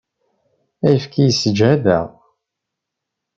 Ayefki yessejhad-aɣ.